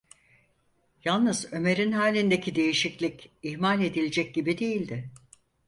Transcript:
Yalnız Ömer’in halindeki değişiklik ihmal edilecek gibi değildi.